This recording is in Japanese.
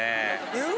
言う？